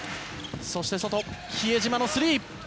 そして、外比江島のスリー。